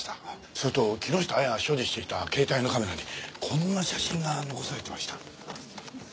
それと木下亜矢が所持していた携帯のカメラにこんな写真が残されてました。